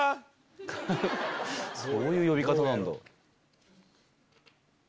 そういう呼び方なんだ。